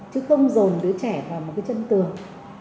chứ không dồn đứa trẻ vào một cái chân tường